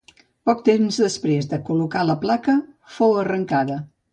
Poc de temps després de col·locar la placa fou arrancada.